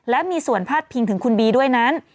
และมีส่วนพาดพิงถึงคุณบีด้วยนั้น